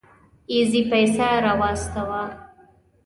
اېزي پيسه راواستوه.